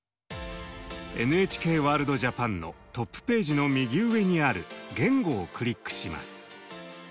「ＮＨＫワールドＪＡＰＡＮ」のトップページの右上にある「言語」をクリックします。